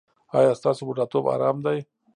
ایا ستاسو بوډاتوب ارام دی؟